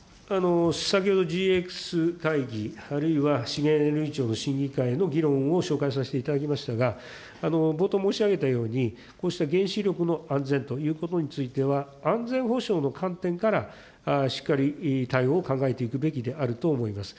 先ほどＧＸ会議あるいは資源エネルギー庁の審議会の議論を紹介させていただきましたが、冒頭申し上げたように、こうした原子力の安全ということについては、安全保障の観点から、しっかり対応を考えていくべきであると思います。